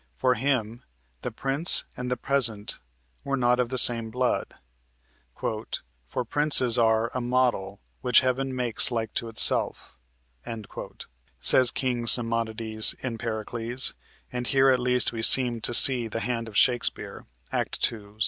For him the prince and the peasant were not of the same blood. "For princes are A model, which heaven makes like to itself," says King Simonides in "Pericles," and here at least we seem to see the hand of Shakespeare (Act 2, Sc.